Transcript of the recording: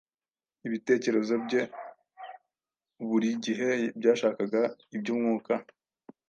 Ibitekerezo bye buri gihe byashakaga iby’Umwuka.